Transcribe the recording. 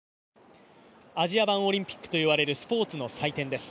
アジア版オリンピックといわれるスポーツの祭典です。